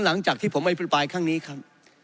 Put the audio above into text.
หลังจากที่ผมเอาไปฟื้นไปข้างนี้ครับ